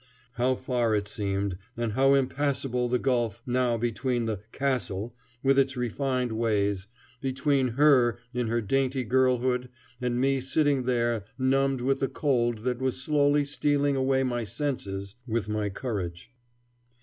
How far it seemed, and how impassable the gulf now between the "castle" with its refined ways, between her in her dainty girlhood and me sitting there, numbed with the cold that was slowly stealing away my senses with my courage.